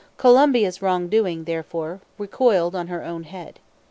Colombia's wrongdoing, therefore, recoiled on her own head.